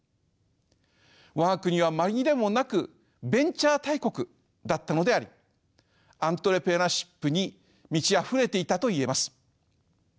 我が国は紛れもなくベンチャー大国だったのでありアントレプレナーシップに満ちあふれていたといえます。